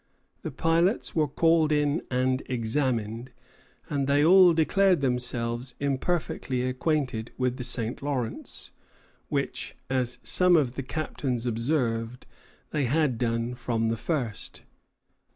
The pilots were called in and examined, and they all declared themselves imperfectly acquainted with the St. Lawrence, which, as some of the captains observed, they had done from the first.